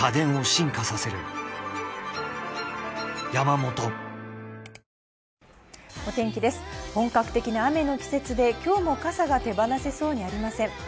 本格的な雨の季節で今日も傘が手放せそうにありません。